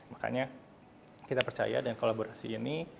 makanya kita percaya dengan kolaborasi ini